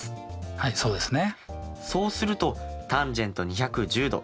はいそうですね。